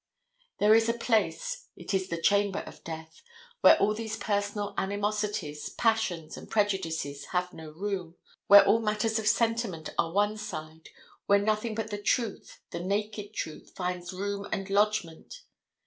There is a place—it is the chamber of death—where all these personal animosities, passions and prejudices have no room, where all matters of sentiment are one side, where nothing but the truth, the naked truth, finds room and lodgment.